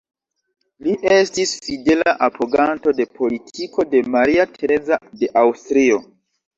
Li estis fidela apoganto de politiko de Maria Tereza de Aŭstrio.